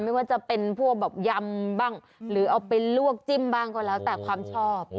ไม่ว่าจะเป็นพวกแบบยำบ้างหรือเอาไปลวกจิ้มบ้างก็แล้วแต่ความชอบ